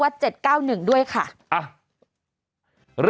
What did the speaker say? วันนี้จะเป็นวันนี้